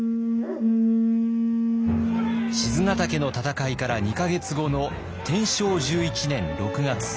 賤ヶ岳の戦いから２か月後の天正１１年６月。